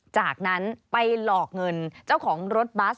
จากนั้นไปหลอกเงินเจ้าของรถบัส